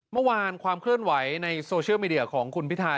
เมื่อวานความเคลื่อนไหวในโซเชียลมีเดียของคุณพิทา